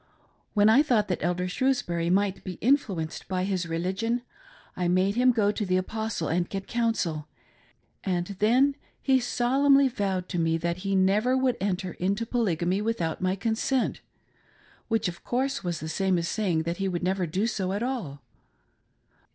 When I thought that Elder Shrewsbury mi^t be influenced by his religion, I made him go to the Apostle and get counsel, and then he solemnjy vowed to me that he «^w; would enter into Polygamy without my consent — which, of course, was the same as saying that he never would do so at all.